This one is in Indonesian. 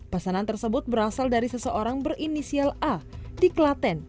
pesanan tersebut berasal dari seseorang berinisial a di klaten